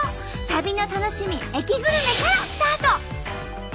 旅の楽しみ駅グルメからスタート。